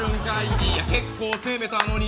いや結構攻めたのに。